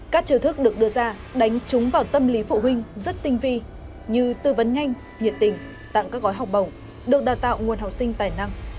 các chiều thức được đưa ra đánh trúng vào tâm lý phụ huynh rất tinh vi như tư vấn nhanh nhiệt tình tặng các gói học bổng được đào tạo nguồn học sinh tài năng